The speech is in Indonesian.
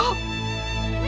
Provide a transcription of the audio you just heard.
kirsim setiap hari